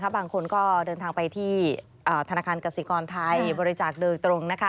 บางคนก็เดินทางไปที่ธนาคารกสิกรไทยบริจาคโดยตรง